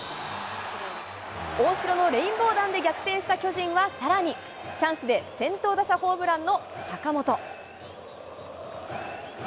大城のレインボー弾で逆転した巨人はさらにチャンスで先頭打者ホームランの坂本。